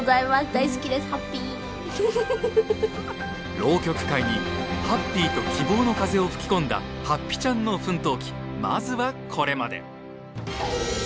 浪曲界にはっぴと希望の風を吹き込んだはっぴちゃん。の奮闘記まずはこれまで。